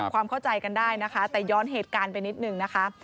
ความเข้าใจกันได้นะคะแต่ย้อนเหตุการณ์ไปนิดนึงนะคะ